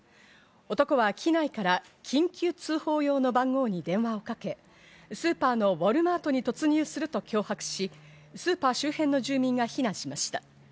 男は機内から緊急通報用の番号に電話をかけ、スーパーのウォルマートに突入すると脅迫し、スーパー周辺の住民が避難しました。